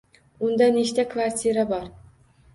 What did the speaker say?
Unda nechta kvartira bor?